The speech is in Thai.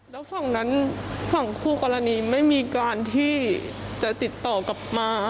แล้วฝั่งนั้นฝั่งคู่กรณีไม่มีการที่จะติดต่อกลับมา